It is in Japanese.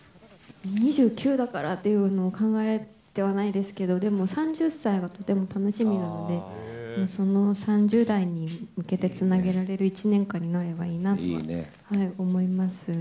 ２９だからっていうのを考えてはないですけど、でも、３０歳がとても楽しみなので、その３０代に向けてつなげられる一年間になればいいなと思います